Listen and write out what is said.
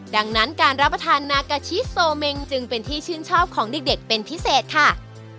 ดังนั้นการรับประทานนากาชิโซเมงจึงเป็นที่ชื่นชอบของเด็กเป็นพิเศษค่ะ